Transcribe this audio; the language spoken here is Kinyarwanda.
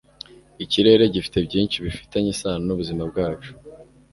ikirere gifite byinshi bifitanye isano nubuzima bwacu